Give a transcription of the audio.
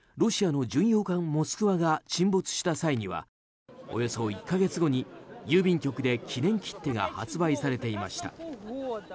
４月にロシアの巡洋艦「モスクワ」が沈没した際にはおよそ１か月後に郵便局で記念切手が発売されていました。